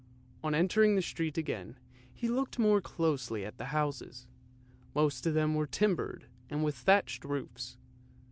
On entering the street again, he looked more closely at the houses, most of them were timbered, and with thatched roofs.